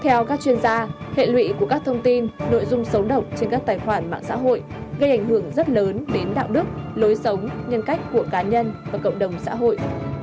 theo các chuyên gia hệ lụy của các thông tin nội dung xấu độc trên các tài khoản mạng xã hội gây ảnh hưởng rất lớn đến đạo đức lối sống nhân cách của cá nhân và cộng đồng xã hội